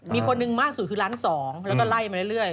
มีคนหนึ่งมากสุดคือล้านสองแล้วก็ไล่มาเรื่อย